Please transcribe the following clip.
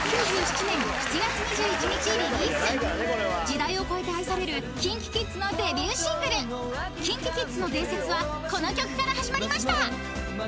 「Ｓｔａｙｗｉｔｈｍｅ」［時代を超えて愛されるＫｉｎＫｉＫｉｄｓのデビューシングル］［ＫｉｎＫｉＫｉｄｓの伝説はこの曲から始まりました］